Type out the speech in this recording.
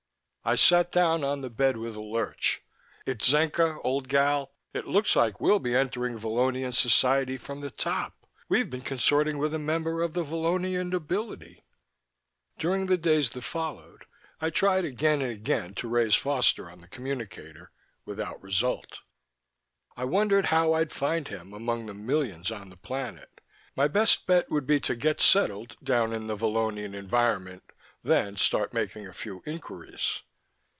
I sat down on the bed with a lurch. "Itzenca, old gal, it looks like we'll be entering Vallonian society from the top. We've been consorting with a member of the Vallonian nobility!" During the days that followed, I tried again and again to raise Foster on the communicator ... without result. I wondered how I'd find him among the millions on the planet. My best bet would be to get settled down in the Vallonian environment, then start making a few inquiries.